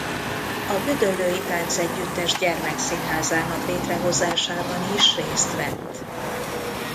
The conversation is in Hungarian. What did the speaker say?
A Gödöllői Táncegyüttes Gyermekszínházának létrehozásában is részt vett.